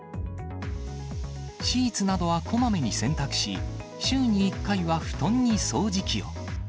シーツなどはこまめに選択肢、週に１回は布団に掃除機を。